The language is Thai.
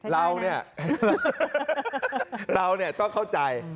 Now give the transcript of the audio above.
เราเนี่ยเราเนี่ยต้องเข้าใจ